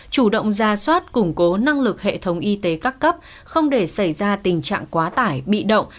chủ động ra soát củng cố năng lực hệ thống y tế các cấp không để xảy ra tình trạng quá tải bị động